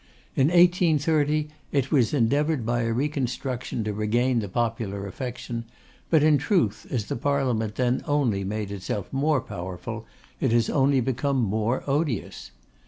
In 1830 it was endeavoured by a reconstruction to regain the popular affection; but, in truth, as the Parliament then only made itself more powerful, it has only become more odious.